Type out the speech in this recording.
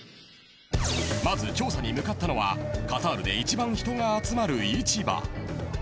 まず調査に向かったのはカタールで一番人が集まる市場。